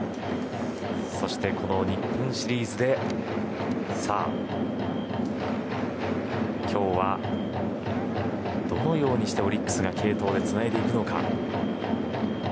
そして、この日本シリーズで今日はどのようにしてオリックスが継投でつないでいくか。